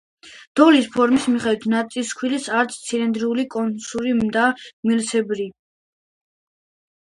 დოლის ფორმის მიხედვით წისქვილი არის ცილინდრული, კონუსური და მილისებრი.